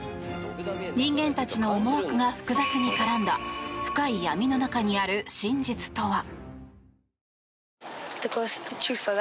人間たちの思惑が複雑に絡んだ深い闇の中にある真実とは。